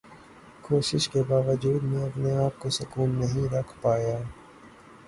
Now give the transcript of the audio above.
کوشش کے باوجود میں اپنے آپ کو سکون نہیں رکھ پایا۔